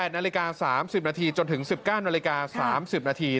นาฬิกา๓๐นาทีจนถึง๑๙นาฬิกา๓๐นาที